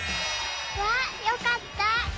わあよかった。